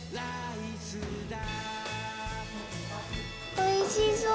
おいしそう！